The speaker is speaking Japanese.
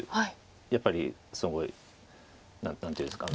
やっぱりすごい何ていうんですか。